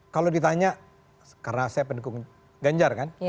kalau ditanya karena saya pendukung ganjar kan